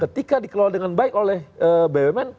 ketika dikelola dengan baik oleh bumn